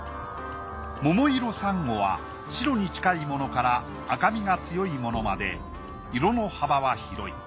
モモイロサンゴは白に近いものから赤みが強いものまで色の幅は広い。